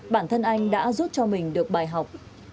bản thân anh đã giúp cho mình được bài học